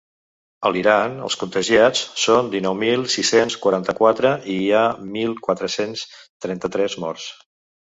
A l’Iran els contagiats són dinou mil sis-cents quaranta-quatre i hi ha mil quatre-cents trenta-tres morts.